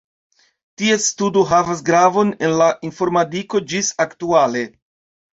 Ties studo havas gravon en la informadiko ĝis aktuale.